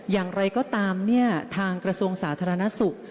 อย่างไรก็ตามทางกระทรวงสาธารณสุข